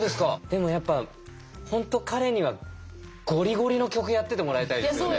でもやっぱ本当彼にはゴリゴリの曲やっててもらいたいですね。